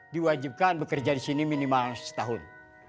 diwajibkan bekerja di sini minimal setahun